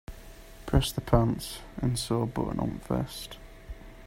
Press the pants and sew a button on the vest.